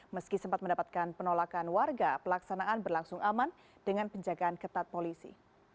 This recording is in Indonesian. meski sempat mendapatkan penolakan warga pelaksanaan berlangsung aman dengan penjagaan ketat polisi